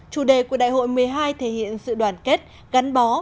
chủ đề của đại hội một mươi hai thể hiện sự đoàn kết gắn bó